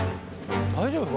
大丈夫？